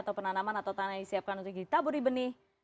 atau penanaman atau tanah yang disiapkan untuk ditaburi benih